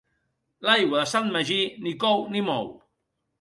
L'aigua de Sant Magí ni cou ni mou.